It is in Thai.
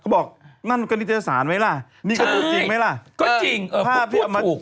เขาบอกนั่นก็นิจฐานไหมล่ะใช่นี่ก็ตัวจริงไหมล่ะก็จริงเออถูกถูก